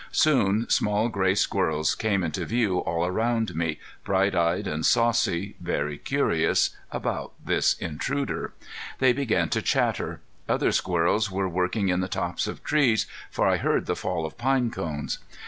Soon small gray squirrels came into view all around me, bright eyed and saucy, very curious about this intruder. They began to chatter. Other squirrels were working in the tops of trees, for I heard the fall of pine cones.